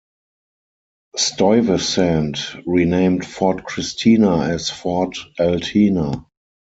Stuyvesant renamed Fort Christina as Fort Altena.